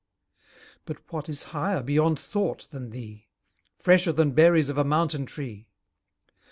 But what is higher beyond thought than thee? Fresher than berries of a mountain tree?